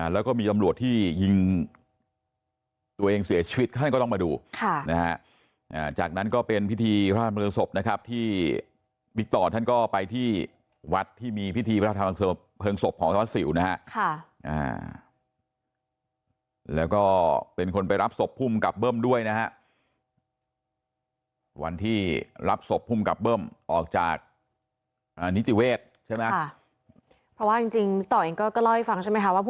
แล้วก็มีตำรวจที่ยิงตัวเองเสียชีวิตท่านก็ต้องมาดูจากนั้นก็เป็นพิธีพระธรรมเผลอศพที่วิคตอร์ท่านก็ไปที่วัดที่มีพิธีพระธรรมเผลอศพของทวัดสิวนะแล้วก็เป็นคนไปรับศพภูมิกับเบิ้มด้วยนะวันที่รับศพภูมิกับเบิ้มออกจากนิติเวศใช่ไหมค่ะเพราะว่าจริงวิคตอร์เ